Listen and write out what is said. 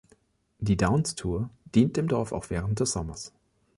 Die Downs Tour dient dem Dorf auch während des Sommers.